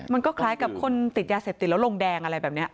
มันก็คล้ายกับคนติดยาเสพติดแล้วลงแดงอะไรแบบนี้